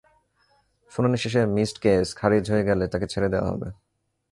শুনানি শেষে missed case খারিজ হয়ে গেলে তাঁকে ছেড়ে দেওয়া হবে।